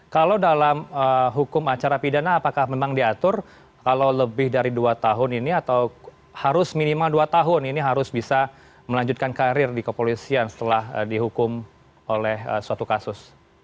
kalau dalam hukum acara pidana apakah memang diatur kalau lebih dari dua tahun ini atau harus minimal dua tahun ini harus bisa melanjutkan karir di kepolisian setelah dihukum oleh suatu kasus